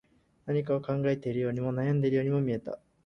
何かを考えているようにも、悩んでいるようにも見えた